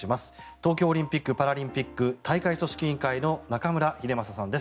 東京オリンピック・パラリンピック大会組織委員会の中村英正さんです。